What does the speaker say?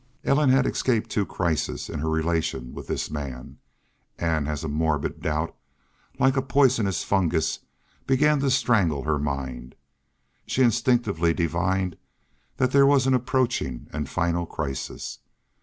Ellen had escaped two crises in her relation with this man, and as a morbid doubt, like a poisonous fungus, began to strangle her mind, she instinctively divined that there was an approaching and final crisis.